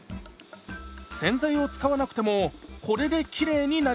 洗剤を使わなくてもこれできれいになります。